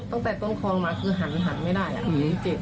ตรงแต่ต้นคอลมาคือหันไม่ได้เจ็บ